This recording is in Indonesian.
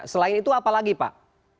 selain itu apa lagi pak